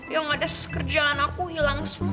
yang ada kerjaan aku hilang semua